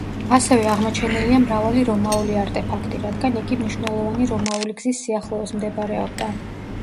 ასევე აღმოჩენილია მრავალი რომაული არტეფაქტი, რადგან იგი მნიშვნელოვანი რომაული გზის სიახლოვეს მდებარეობდა.